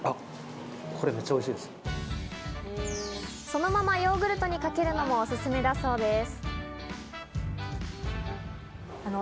そのままヨーグルトにかけるのもおすすめだそうです。